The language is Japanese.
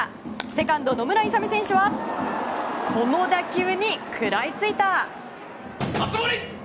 セカンド、野村勇選手はこの打球に食らいついた。